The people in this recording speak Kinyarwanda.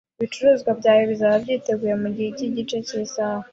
Ibicuruzwa byawe bizaba byiteguye mugihe cyigice cyisaha.